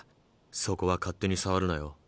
そこは勝手に触るなよ。